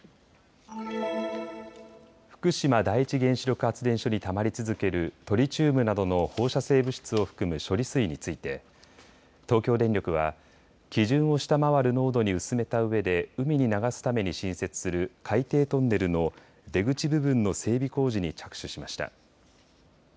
福島第一原子力発電所にたまり続けるトリチウムなどの放射性物質を含む処理水について東京電力は基準を下回る濃度に薄めたうえで海に流すために新設する海底トンネルの出口部分の整備工事に着手しました。